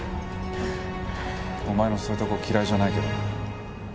お前のそういうとこ嫌いじゃないけどな。